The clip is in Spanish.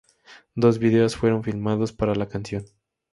Dos videos fueron filmados para la canción.